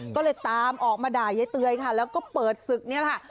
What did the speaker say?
ก็เลยตามออกมาด่ายายเตยค่ะแล้วก็เปิดศึกนี่แหละค่ะ